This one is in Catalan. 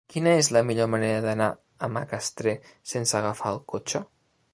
Quina és la millor manera d'anar a Macastre sense agafar el cotxe?